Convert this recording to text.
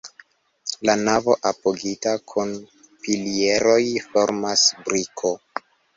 La navo apogita kun pilieroj formas briko.